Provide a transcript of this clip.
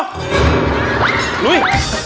หนุ่ย